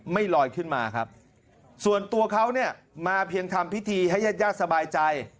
ไม่ลอยขึ้นมาครับส่วนตัวเขาเนี่ยมาเพียงทำพิธีให้ญาติญาติสบายใจ